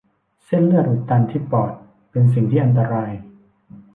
เส้นเลือดอุดตันที่ปอดเป็นสิ่งที่อันตราย